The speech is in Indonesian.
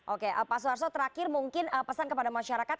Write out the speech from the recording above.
oke pak suharto terakhir mungkin pesan kepada masyarakat